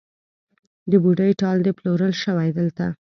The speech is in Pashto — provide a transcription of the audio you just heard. د بوډۍ ټال دی پلورل شوی دلته